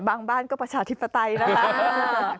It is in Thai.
บ้างบ้านก็ประชาธิปไตน่ะ